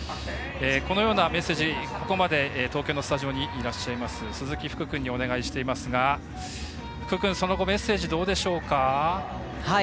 このようなメッセージここまで東京のスタジオにいらっしゃいます鈴木福さんにお願いしていますが福くん、その後メッセージどうでしょうか。